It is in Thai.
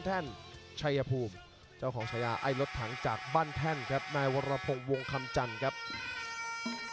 ตับเผาทองสิดเจสายรุงเจมส์